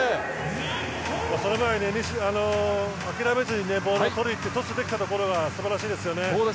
その前に諦めずにボールをとりにいってトスできたのが素晴らしいですよね。